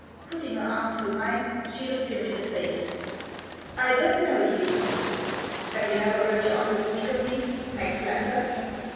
Putting her arm through mine, she looked him in the face. <c I don't know you." " Have you never heard your uncle speak of me — Max Lander